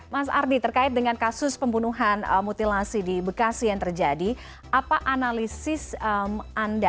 mas ardi terkait dengan kasus pembunuhan mutilasi di bekasi yang terjadi apa analisis anda